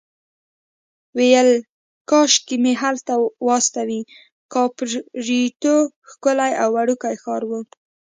ویل کاشکې مې هلته واستوي، کاپوریتو ښکلی او وړوکی ښار و.